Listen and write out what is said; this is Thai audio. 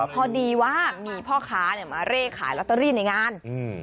พอดีว่ามีพ่อค้ามาเรขายล็อตเตอรี่ในงาน